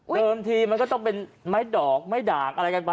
ทีมันก็ต้องเป็นไม้ดอกไม้ด่างอะไรกันไป